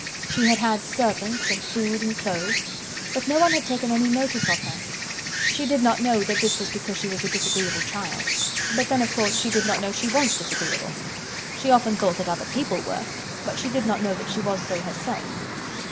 She had had servants, and food and clothes, but no one had taken any notice of her. She did not know that this was because she was a disagreeable child; but then, of course, she did not know she was disagreeable. She often thought that other people were, but she did not know that she was so herself.